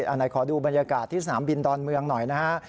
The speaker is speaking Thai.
อันไหนขอดูบรรยากาศที่สนามบินดอนเมืองหน่อยนะฮะ